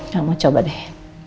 kamu coba deh